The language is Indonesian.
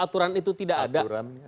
aturan itu tidak ada